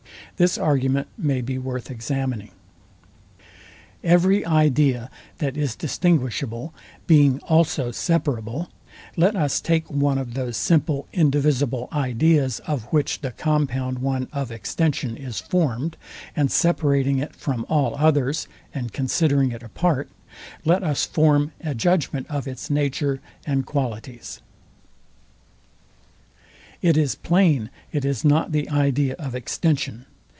This argument may be worth the examining. Every idea, that is distinguishable, being also separable, let us take one of those simple indivisible ideas, of which the compound one of extension is formed, and separating it from all others, and considering it apart, let us form a judgment of its nature and qualities. It is plain it is not the idea of extension.